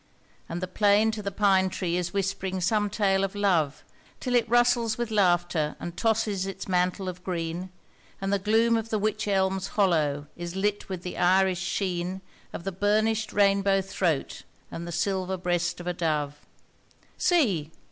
And the plane to the pine tree is whispering some tale of love Till it rustles with laughter and tosses its mantle of green, And the gloom of the wych elm's hollow is lit with the iris sheen Of the burnished rainbow throat and the silver breast of a dove. See!